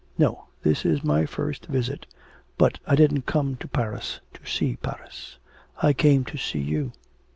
'No; this is my first visit. But I didn't come to Paris to see Paris. I came to see you.